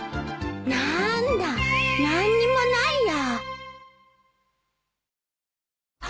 何だ何にもないや。